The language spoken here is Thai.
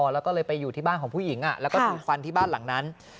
แล้วก็เลยไปอยู่ที่บ้านของผู้หญิงแล้วก็ถูกฟันที่บ้านหลังนั้น